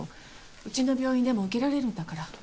うちの病院でも受けられるんだから。